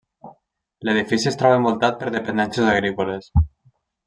L'edifici es troba envoltat per dependències agrícoles.